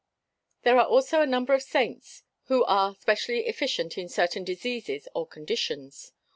There are also a number of saints who are specially efficient in certain diseases or conditions.